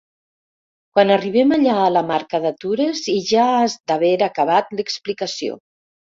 Quan arribem allà a la marca d'atures i ja has d'haver acabat l'explicació.